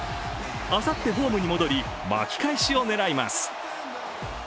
あさって、ホームに戻り巻き返しを狙います。